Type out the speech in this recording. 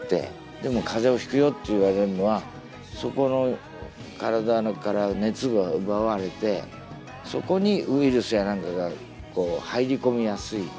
でも風邪をひくよって言われるのはそこの体から熱が奪われてそこにウイルスや何かが入り込みやすい。